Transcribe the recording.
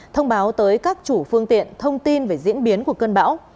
thông báo tới các chủ phương tiện thông tin về diễn biến của cơn bão